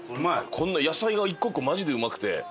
こんな野菜が１個１個マジでうまくて。